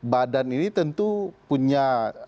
badan ini tentu punya